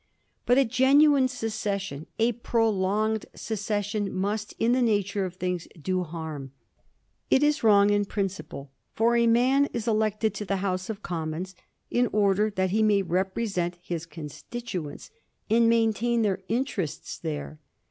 But a genuine secession, a prolonged secession, must, in the nature of things, do harm. It is wi'ong in principle ; for a man is elected to the House of Commons in order that he may represent his constituents and maintain their in terests there.